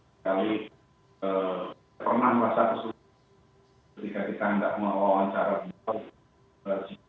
sekali pernah memuaskan kesulitan ketika kita tidak mau wawancara di situ